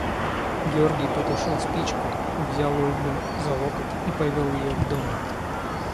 Георгий потушил спичку, взял Ольгу за локоть и повел ее к дому.